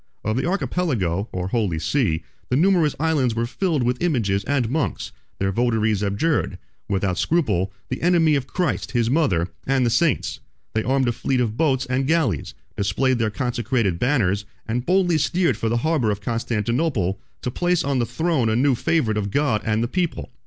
Of the Archipelago, or Holy Sea, the numerous islands were filled with images and monks: their votaries abjured, without scruple, the enemy of Christ, his mother, and the saints; they armed a fleet of boats and galleys, displayed their consecrated banners, and boldly steered for the harbor of Constantinople, to place on the throne a new favorite of God and the people.